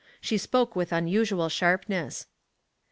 She spoke with unusual sharpness.